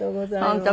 本当